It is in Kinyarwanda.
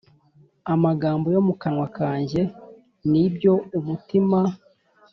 Amagambo yo mu kanwa kanjye N ibyo umutima